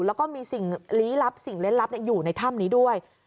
แล้วก็มีสิ่งลี้ลับสิ่งเล่นลับอยู่ในถ้ำนี้ด้วย